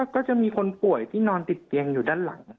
ก็จะมีคนป่วยที่นอนติดเตียงอยู่ด้านหลัง